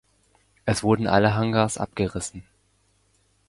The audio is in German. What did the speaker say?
Es wurden alle Hangars abgerissen.